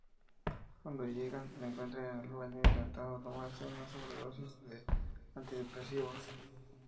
Cuando llegan, la encuentran en el baño intentando tomarse una sobredosis de antidepresivos.